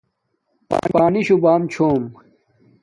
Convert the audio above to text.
پانی شوہ بام چھوم